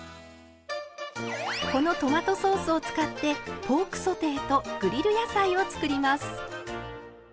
このトマトソースを使ってポークソテーとグリル野菜を作ります。